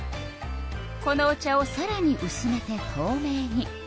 このお茶をさらにうすめてとうめいに。